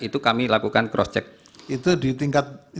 itu kami lakukan cross check itu di tingkat